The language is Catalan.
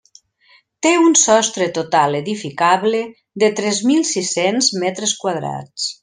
Té un sostre total edificable de tres mil sis-cents metres quadrats.